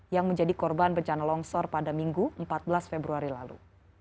yang menjadi korban bencana longsor pada minggu empat belas februari lalu